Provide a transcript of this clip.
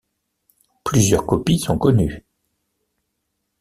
Plusieurs copies sont connues.